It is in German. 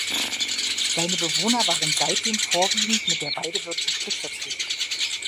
Seine Bewohner waren seitdem vorwiegend mit der Weidewirtschaft beschäftigt.